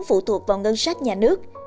phụ thuộc vào ngân sách nhà nước